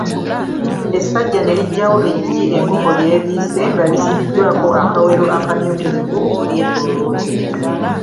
Essajja ne liggyawo eggi enkoko ly'ebiise nga lisibiddwako akawero akamyukirivu okulyetoolooza.